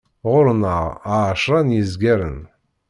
Ɣur-neɣ εecra n yizgaren.